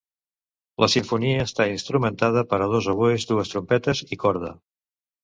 La simfonia està instrumentada per a dos oboès, dues trompes i corda.